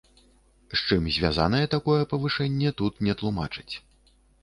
З чым звязанае такое павышэнне, тут не тлумачаць.